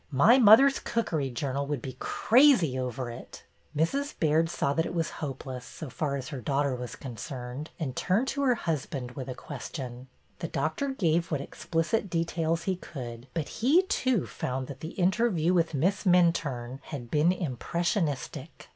My Mother's Cookery Journal would be crazy over it." Mrs. Baird saw that it was hopeless, so far as her daughter was concerned, and turned to her husband with a question. The doctor gave what explicit details he could, but he, too, found that the interview with Miss Minturne had been impressionistic."